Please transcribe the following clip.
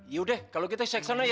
yaudah kalau gitu saya kesana ya